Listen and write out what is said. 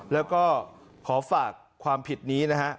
แล้วก็ขอฝากความผิดนี้นะฮะ